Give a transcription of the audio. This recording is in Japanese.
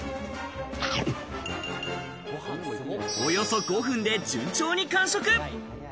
およそ５分で順調に完食。